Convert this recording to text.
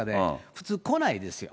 普通来ないですよ。